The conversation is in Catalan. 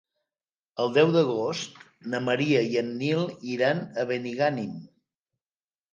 El deu d'agost na Maria i en Nil iran a Benigànim.